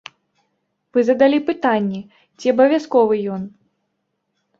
Вы задалі пытанні, ці абавязковы ён.